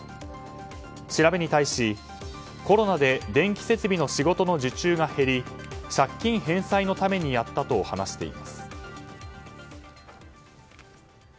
調べに対し、コロナで電気設備の仕事の受注が減り借金返済のためにやったと話しています。